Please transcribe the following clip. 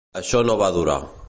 Això no va durar.